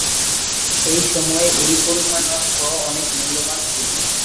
এসময় এই পরিমাণ অর্থ অনেক মূল্যবান ছিল।